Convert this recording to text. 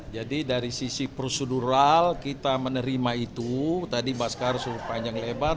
jadi dari sisi prosedural kita menerima itu tadi bahasa harus panjang lebar